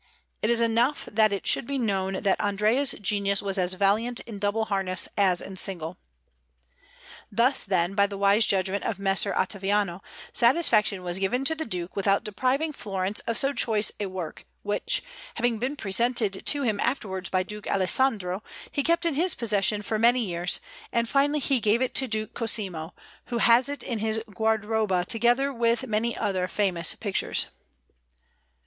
It is enough that it should be known that Andrea's genius was as valiant in double harness as in single." Thus, then, by the wise judgment of Messer Ottaviano, satisfaction was given to the Duke without depriving Florence of so choice a work, which, having been presented to him afterwards by Duke Alessandro, he kept in his possession for many years; and finally he gave it to Duke Cosimo, who has it in his guardaroba together with many other famous pictures.